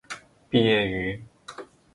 毕业于。